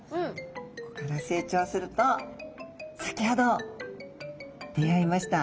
ここから成長すると先ほど出会いました